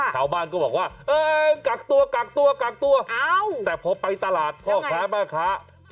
ชาวบ้านก็บอกว่าเออกักตัวกักตัวกักตัวแต่พอไปตลาดพ่อค้าแม่ค้า